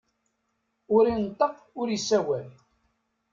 Ur ineṭṭeq ur isawal.